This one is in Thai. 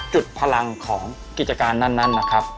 จุดพลังของกิจการนั้นนะครับ